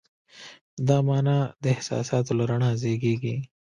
دا مانا د احساساتو له رڼا زېږېږي.